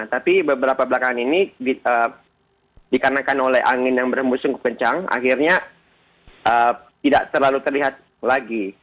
tapi beberapa belakangan ini dikarenakan oleh angin yang berhembus sungguh kencang akhirnya tidak terlalu terlihat lagi